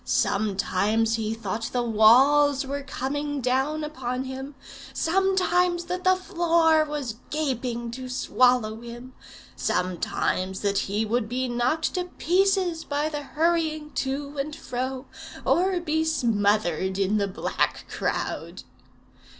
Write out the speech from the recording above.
Sometimes he thought the walls were coming down upon him; sometimes that the floor was gaping to swallow him; sometimes that he would be knocked to pieces by the hurrying to and fro, or be smothered in the black crowd.